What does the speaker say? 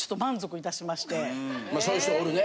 そういう人おるね。